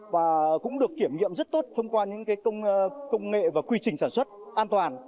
và cũng được kiểm nghiệm rất tốt thông qua những công nghệ và quy trình sản xuất an toàn